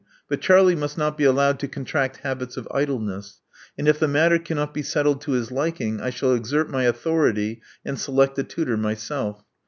But Charlie must not be allowed to contract habits of idleness; and if the matter cannot be settled to his liking, I shall exert my authority, and select a tutor myself.